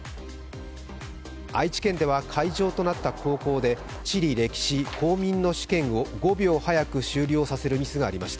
愛知県では会場となった高校で地理歴史・公民の試験を５秒早く終了させるミスがありました。